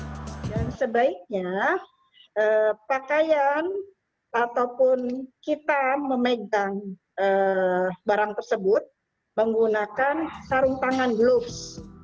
dan sebaiknya pakaian ataupun kita memegang barang tersebut menggunakan sarung tangan gloves